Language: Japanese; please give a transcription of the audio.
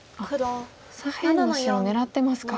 左辺の白を狙ってますか。